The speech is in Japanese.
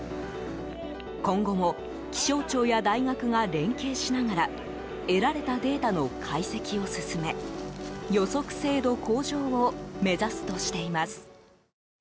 今後も気象庁や大学が連携しながら得られたデータの解析を進め予測精度向上を目指すとしています。